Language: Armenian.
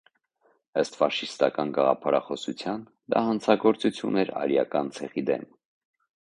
Ըստ ֆաշիստական գաղափարախոսության՝ դա հանցագործություն էր արիական ցեղի դեմ։